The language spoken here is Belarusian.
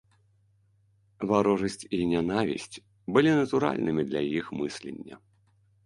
Варожасць і нянавісць былі натуральнымі для іх мыслення.